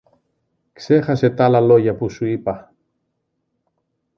Ξέχασε τ' άλλα λόγια που σου είπα.